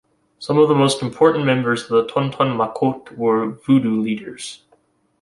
Some of the most important members of the "Tonton Macoute" were Vodou leaders.